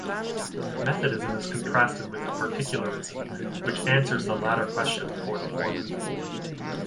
Methodism is contrasted with particularism, which answers the latter question before the former.